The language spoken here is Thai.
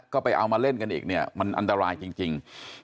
ก็ไปเอามาเล่นกันอีกเนี่ยมันอันตรายจริง